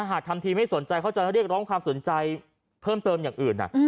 หากทำทีไม่สนใจเขาจะเรียกร้องความสนใจเพิ่มเติมอย่างอื่น